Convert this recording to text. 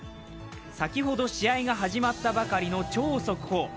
先ほど試合が始まったばかりの超速報。